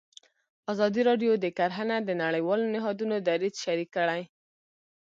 ازادي راډیو د کرهنه د نړیوالو نهادونو دریځ شریک کړی.